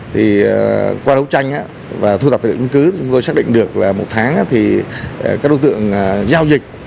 thì qua đấu tranh và thu thập định cứ chúng tôi xác định được là một tháng thì các đối tượng giao dịch